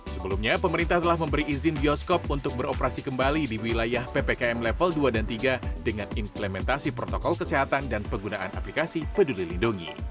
sebelumnya pemerintah telah memberi izin bioskop untuk beroperasi kembali di wilayah ppkm level dua dan tiga dengan implementasi protokol kesehatan dan penggunaan aplikasi peduli lindungi